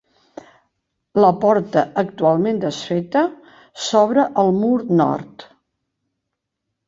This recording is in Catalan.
La porta -actualment desfeta- s'obre al mur nord.